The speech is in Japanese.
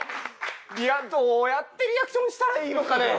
どうやってリアクションしたらいいのかね？